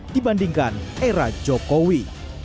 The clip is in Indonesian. dibandingkan era jokowi